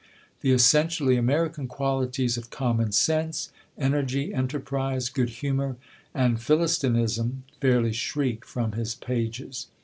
The essentially American qualities of common sense, energy, enterprise, good humour, and Philistinism fairly shriek from his pages.